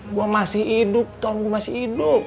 gue masih hidup tuhan gue masih hidup